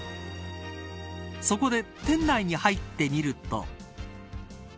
そこで、店内に入ってみると。